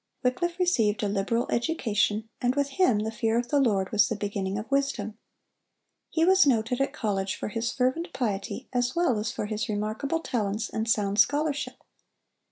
Wycliffe received a liberal education, and with him the fear of the Lord was the beginning of wisdom. He was noted at college for his fervent piety as well as for his remarkable talents and sound scholarship.